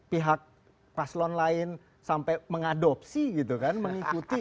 pihak paslon lain sampai mengadopsi gitu kan mengikuti